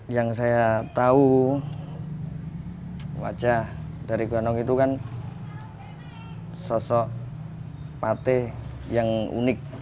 yang saya tahu wajah dari gunung itu kan sosok pate yang unik